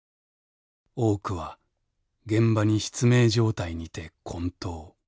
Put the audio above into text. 多くは現場に失明状態にてこん倒。